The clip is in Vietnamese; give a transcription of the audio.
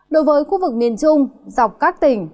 đối với khu vực miền trung dọc các tỉnh